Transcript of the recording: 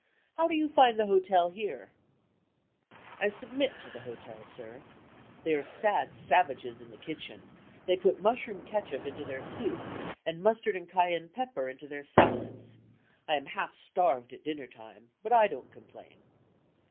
How do you find the hotel here?" "I submit to the hotel, sir. They are sad savages in the kitchen; they put mushroom ketchup into their soup, and mustard and cayenne pepper into their salads. I am half starved at dinner time, but I don't complain."